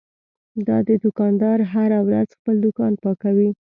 دا دوکاندار هره ورځ خپل دوکان پاکوي.